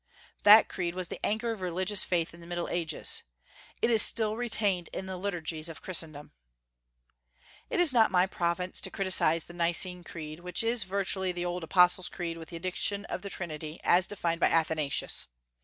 That creed was the anchor of religious faith in the Middle Ages. It is still retained in the liturgies of Christendom. It is not my province to criticise the Nicene Creed, which is virtually the old Apostles' Creed, with the addition of the Trinity, as defined by Athanasius.